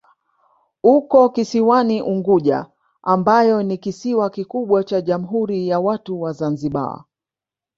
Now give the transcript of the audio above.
Uko kisiwani Unguja ambayo ni kisiwa kikubwa cha Jamhuri ya Watu wa Zanzibar.